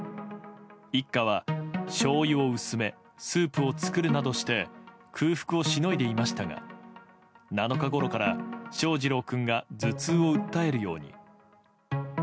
一家はしょうゆを薄めスープを作るなどして空腹をしのいでいましたが７日ごろから翔士郎君が頭痛を訴えるように。